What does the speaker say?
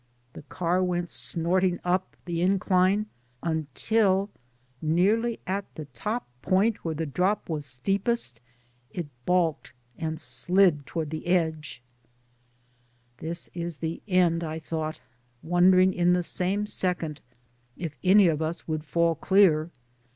The car went snorting up the incline until, nearly at the top point where the drop was steepest, it balked and slid toward the edge 1 *^This is the end,'* I thought, wondering in the same second if any of us would fall dear.